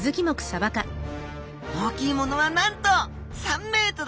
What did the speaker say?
大きいものはなんと３ｍ！